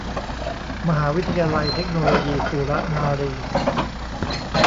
มหาวิทยาลัยเทคโนโลยีสุรนารี